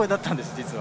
実は。